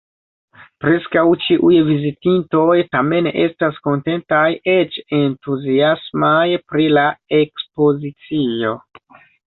Preskaŭ ĉiuj vizitintoj, tamen, estas kontentaj, eĉ entuziasmaj pri la ekspozicio.